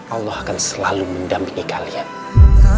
allah akan selalu mendampingi kalian